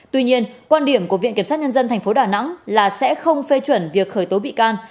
tuy nhiên quan điểm của viện kiểm sát nhân dân tp đà nẵng là sẽ không phê chuẩn việc khởi tố bị can